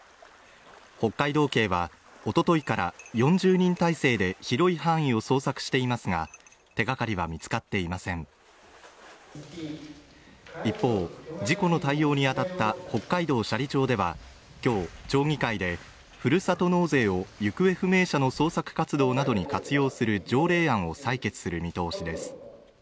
北海道警はおとといから４０人態勢で広い範囲を捜索していますが手がかりは見つかっていません一方事故の対応に当たった北海道斜里町では今日町議会でふるさと納税を行方不明者の捜索活動などに活用する条例案を採決する見通しです